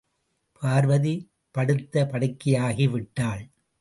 பார்வதி படுத்த படுக்கையாகி விட்டாள்.